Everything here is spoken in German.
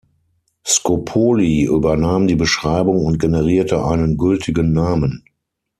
Scopoli übernahm die Beschreibung und generierte einen gültigen Namen.